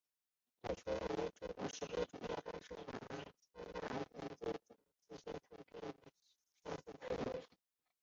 最初认为这种识别主要涉及氨基酸侧链和碱基之间的特定氢键相互作用。